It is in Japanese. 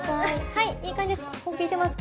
はいいい感じです。